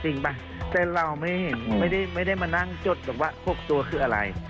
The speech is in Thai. จริงป่ะแต่เราไม่เห็นไม่ได้ไม่ได้มานั่งจดแบบว่าหกตัวคืออะไร